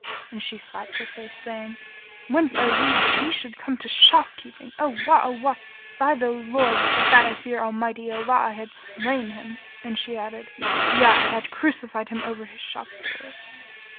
And she slapt her face saying, "'Whence are we that we should come to shopkeeping? Awah! Awah! By the lord, but that I fear Almighty Allah I had slain him;" and she added, "Yea, I had crucified[FN#32] him over his shop door!"